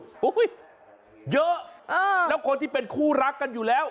โอ้โหเยอะแล้วคนที่เป็นคู่รักกันอยู่แล้ว